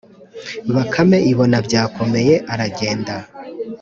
bakame ibona byakomeye aragenda.